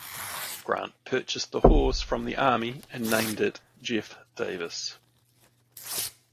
Grant purchased the horse from the Army and named it "Jeff Davis".